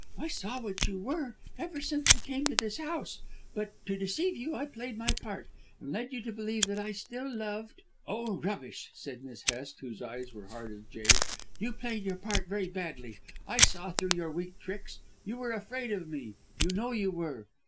I saw what you were ever since we came to this house, but, to deceive you, I played my part, and led you to believe that I still loved " "Oh, rubbish," said Miss Hest, whose eyes were as hard as jade. "You played your part very badly. I saw through your weak tricks. You were afraid of me, you know you were."